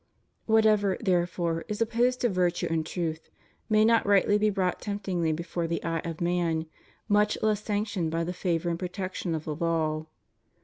Whatever, therefore, is opposed to virtue and truth, may not rightly be brought temptingly before the eye of man, much less sanctioned by the favor and protection of the law.